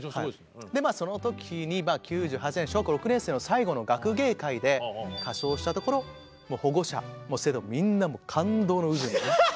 その時に９８年小学校６年生の最後の学芸会で歌唱したところ保護者も生徒もみんなもう感動の渦に。